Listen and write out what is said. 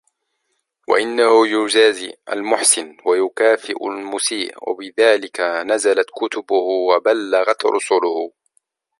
وَأَنَّهُ يُجَازِي الْمُحْسِنَ وَيُكَافِئُ الْمُسِيءَ ، وَبِذَلِكَ نَزَلَتْ كُتُبُهُ وَبَلَّغَتْ رُسُلُهُ